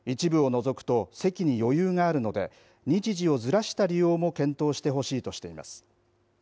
一部を除くと席に余裕があるので日時をずらした利用も検討してほしいとしています。